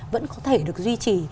vẫn có thể được duy trì